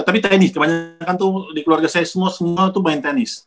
tapi tenis kebanyakan tuh di keluarga saya semua semua itu main tenis